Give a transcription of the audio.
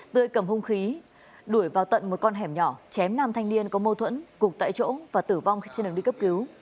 tươi cầm hung khí đuổi vào tận một con hẻm nhỏ chém nam thanh niên có mâu thuẫn cục tại chỗ và tử vong khi trên đường đi cấp cứu